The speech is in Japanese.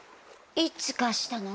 いつ貸したの？